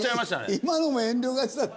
今のも遠慮がちだった。